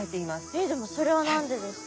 えっでもそれは何でですか？